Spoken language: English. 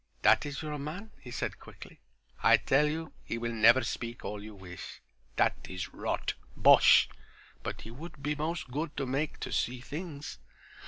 "That is your man," he said, quickly. "I tell you he will never speak all you wish. That is rot—bosh. But he would be most good to make to see things.